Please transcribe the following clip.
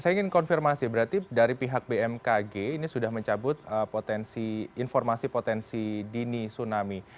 saya ingin konfirmasi berarti dari pihak bmkg ini sudah mencabut informasi potensi dini tsunami